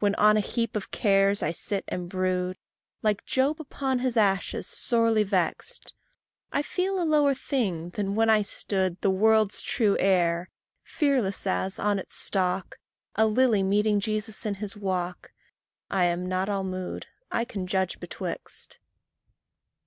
When on a heap of cares I sit and brood, Like Job upon his ashes, sorely vext, I feel a lower thing than when I stood The world's true heir, fearless as, on its stalk, A lily meeting Jesus in his walk: I am not all mood I can judge betwixt.